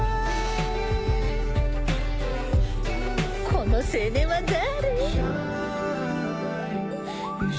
この青年は誰？